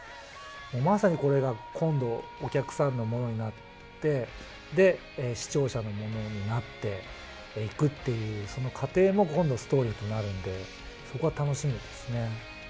まさにこれが今度お客さんのものになって視聴者のものになっていくっていう、その過程もどんどんストーリーとなるのでそこは楽しみですね。